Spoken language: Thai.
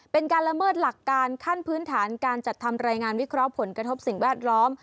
เป็นการละเมิดหลักการขั้นพื้นฐานการจัดทำรายงานวิเคราะห์ผลกระทบสิ่งแวดล้อม